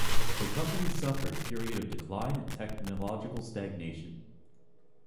The company suffered a period of decline and technological stagnation.